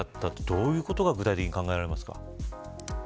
どういうことが具体的に考えられますか。